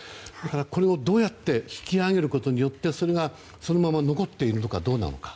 これをどうやって引き揚げることによってそれがそのまま残っているのかどうなのか。